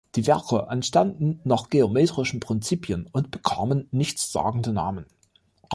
Die Werke entstanden nach geometrischen Prinzipien und bekamen nichtssagende Namen.